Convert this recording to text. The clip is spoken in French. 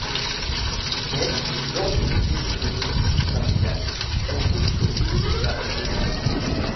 Mais, lors d'une visite au domicile familial, elles furent surprises et arrêtées.